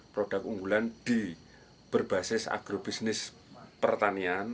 produk unggulan di berbasis agrobisnis pertanian